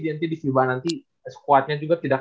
nanti di fiba nanti squadnya juga tidak